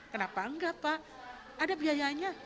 kenapa enggak pak ada biayanya